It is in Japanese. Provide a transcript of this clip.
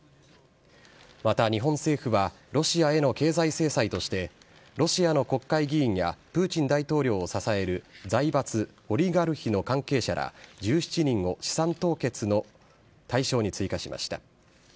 また、日本政府はロシアへの経済制裁として、ロシアの国会議員やプーチン大統領を支える財閥オリガルヒの関係者ら１７人を資産凍結の対象に追加しました。